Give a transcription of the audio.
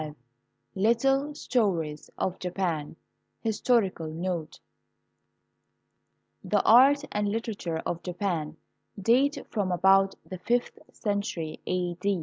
V LITTLE STORIES OF JAPAN HISTORICAL NOTE The art and literature of Japan date from about the fifth centiiry a.